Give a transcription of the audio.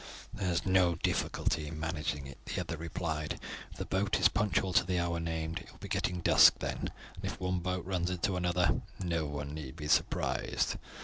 "There is no difficulty in managing it," the other replied, "if the boat is punctual to the hour named. It will be getting dusk then, and if one boat runs into another no one need be surprised.